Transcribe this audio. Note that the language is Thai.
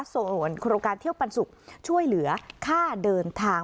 ส่วนโครงการเที่ยวปันสุกช่วยเหลือค่าเดินทาง